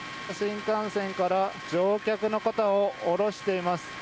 新幹線から乗客の方を降ろしています。